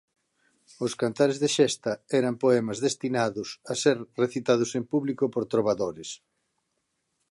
Os cantares de xesta eran poemas destinados a ser recitados en público por trobadores.